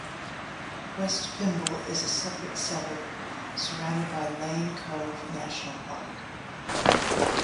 West Pymble is a separate suburb, surrounded by Lane Cove National Park.